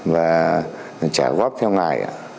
và trả góp theo ngày